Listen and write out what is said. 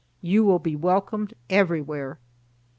You will be welcomed everywhere."